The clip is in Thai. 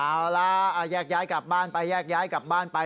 เอาล่ะแยกย้ายกลับบ้านไปแยกย้ายกลับบ้านไป